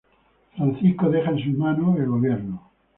Francisco deja en sus manos el gobierno.